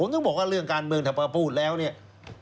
ถึงบอกว่าเรื่องการเมืองถ้าพอพูดแล้วเนี่ย